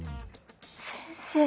先生。